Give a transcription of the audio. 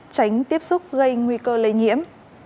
tránh tiếp xúc gây nguy cơ lây nhiễm